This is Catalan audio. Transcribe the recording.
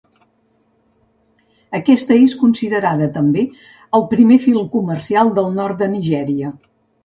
Aquesta és considerada també el primer film comercial del nord de Nigèria.